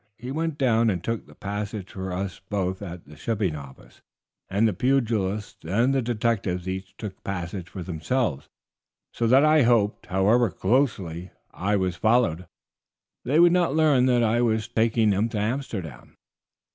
He went down and took the passage for us both at the shipping office, and the pugilists and the detectives each took passages for themselves, so that I hoped, however closely I was followed, they would not learn that I was taking them to Amsterdam."